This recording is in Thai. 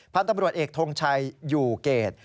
พันธุ์ตำรวจเอกทงชัยอยู่เกต